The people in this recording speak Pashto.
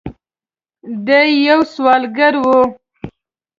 د ی یو سوداګر و.